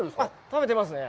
食べてますね。